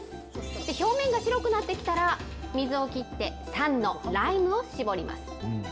表面が白くなってきたら、水を切って酸のライムを絞ります。